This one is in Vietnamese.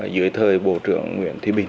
dưới thời bộ trưởng nguyễn thí bình